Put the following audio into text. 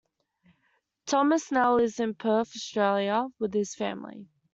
Thomas now lives in Perth, Australia with his family.